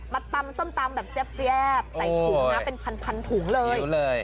ตำส้มตำแบบแซ่บใส่ถุงนะเป็นพันถุงเลย